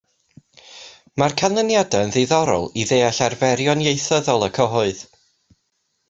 Mae'r canlyniadau yn ddiddorol i ddeall arferion ieithyddol y cyhoedd